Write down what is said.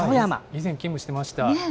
以前、勤務してました。